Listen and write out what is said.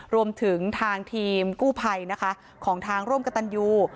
รวมถึงทางทีมกู้ภัยนะคะของทางร่วมกับตันยู